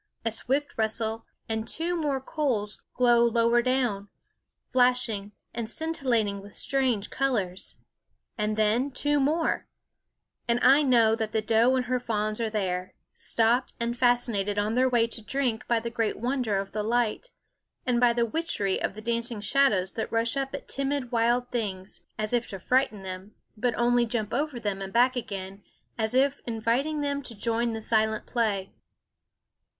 A swift rustle, and two more coals glow lower down, flashing and scintil lating with strange colors; and then two more; and I know that the doe and her fawns are there, stopped and fascinated on Cry in the their way to drink by the great wonder of the light and the dancing shadows, that rush up at timid wild things, as if to frighten them, but only jump over them and back again, as if inviting them to join the silent play.